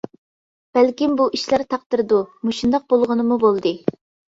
بەلكىم بۇ ئىشلار تەقدىردۇ، مۇشۇنداق بولغىنىمۇ بولدى.